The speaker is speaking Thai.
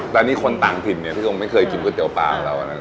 แต่นี่คนต่างถิ่นเนี่ยที่คงไม่เคยกินก๋วเตี๋ปลาของเรา